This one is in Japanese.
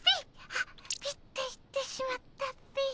あっ「ピッ」て言ってしまったっピ。